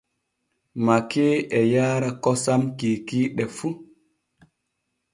Makee e yaara kosam kiikiiɗe fu.